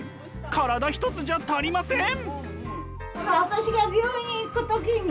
体一つじゃ足りません！